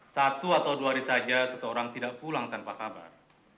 satu atau dua hari saja seseorang tidak pulang tanpa kabar